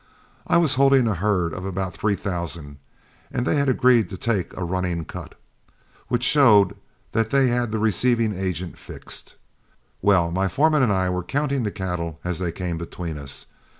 I was holding a herd of about three thousand, and they had agreed to take a running cut, which showed that they had the receiving agent fixed. Well, my foreman and I were counting the cattle as they came between us.